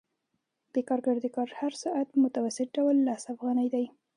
د کارګر د کار هر ساعت په متوسط ډول لس افغانۍ دی